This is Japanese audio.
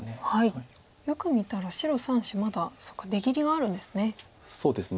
よく見たら白３子まだ出切りがあるんですね。